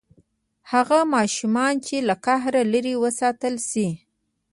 هغه ماشومان چې له قهر لرې وساتل شي.